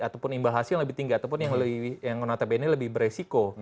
atau imbal hasil lebih tinggi atau yang menurut saya lebih beresiko